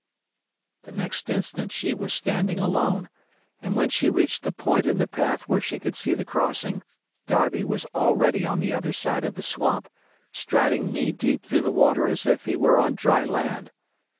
The next instant she was standing alone, and when she reached the point in the path where she could see the crossing, Darby was already on the other side of the swamp, striding knee deep through the water as if he were on dry land.